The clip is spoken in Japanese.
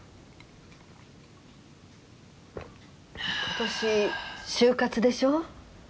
今年就活でしょう。